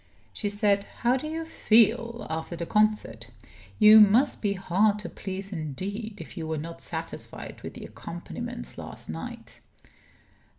She said: "How do you feel after the concert? You must be hard to please indeed if you were not satisfied with the accompaniments last night."